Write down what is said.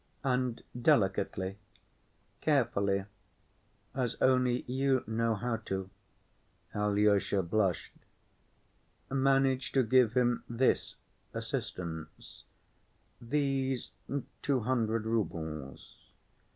—and delicately, carefully, as only you know how to" (Alyosha blushed), "manage to give him this assistance, these two hundred roubles.